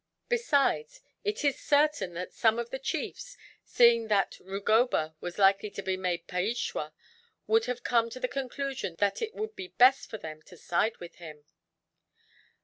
Besides, it is certain that some of the chiefs, seeing that Rugoba was likely to be made Peishwa, would have come to the conclusion that it would be best for them to side with him.